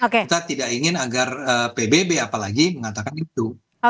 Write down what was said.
kita tidak ingin agar pbb apalagi mengatakan itu